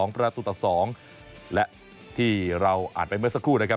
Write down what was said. ประตูต่อ๒และที่เราอ่านไปเมื่อสักครู่นะครับ